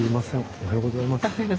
おはようございます。